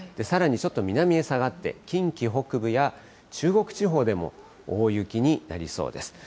さらにちょっと南へ下がって、近畿北部や中国地方でも大雪になりそうです。